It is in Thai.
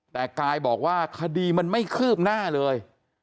แต่กายบอกว่าคดีมันไม่คืบหน้าเลย